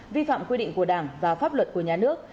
vi phạm quy định của đảng và pháp luật của nhà nước